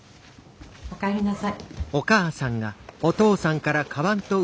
お帰りなさい。